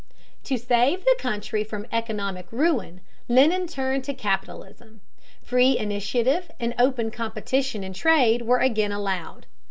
To save the country from economic ruin, Lenin turned to capitalism. Free initiative and open competition in trade were again allowed.